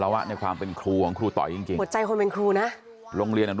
ให้มันแข็งแรงให้สุขภาพดีก่อน